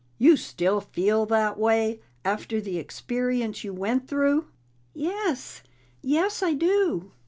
"You still feel that way, after the experience you went through?" "Yes. Yes, I do."